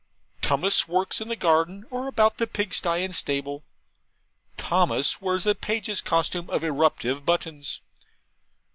Tummus works in the garden or about the pigsty and stable; Thomas wears a page's costume of eruptive buttons.